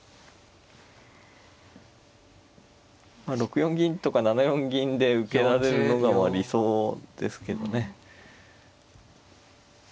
まあ６四銀とか７四銀で受けられるのがまあ理想ですけどね。